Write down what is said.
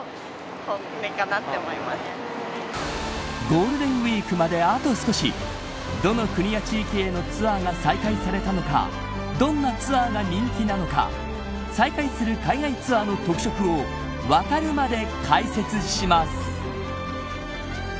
ゴールデンウイークまであと少しどの国や地域へのツアーが再開されたのかどんなツアーが人気なのか再開する海外ツアーの特色をわかるまで解説します。